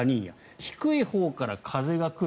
低いほうから風が来る